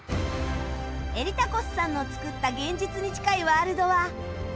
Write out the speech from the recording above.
エリタコスさんの作った現実に近いワールドは